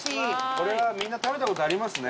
これはみんな食べた事ありますね。